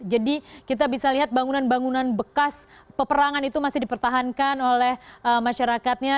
jadi kita bisa lihat bangunan bangunan bekas peperangan itu masih dipertahankan oleh masyarakatnya